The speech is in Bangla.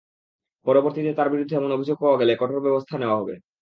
পরবর্তীতে তাঁর বিরুদ্ধে এমন অভিযোগ পাওয়া গেলে কঠোর ব্যবস্থা নেওয়া হবে।